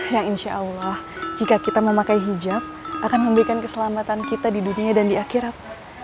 yang insya allah jika kita memakai hijab akan memberikan keselamatan kita di dunia dan di akhirat